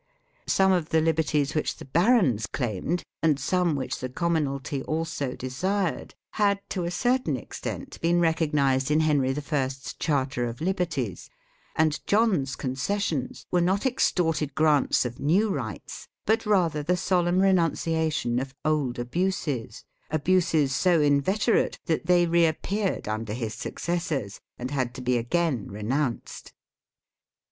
Some PREFACE xv of the liberties which the barons claimed and some which the commonalty also desired, had, to a certain extent, been recognized in Henry the First's Charter of Liberties ; and John's concessions were not extorted grants of new rights but rather the solemn renunciation of old abuses, abuses so inveterate that they reappeared under his successors and had to be again renounced.